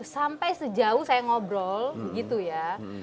sampai sejauh saya ngobrol gitu ya